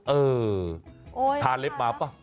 เออทานเล็บมาเปล่า